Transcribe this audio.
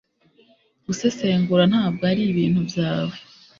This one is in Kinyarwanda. Gusesengura ntabwo ari ibintu byawe